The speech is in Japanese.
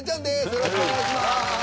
よろしくお願いします。